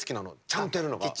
ちゃんとやるのが。